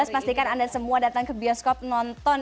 pastikan anda semua datang ke bioskop nonton